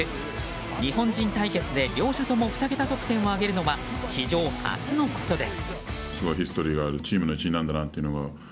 日本人対決で両者とも２桁得点を挙げるのは史上初のことです。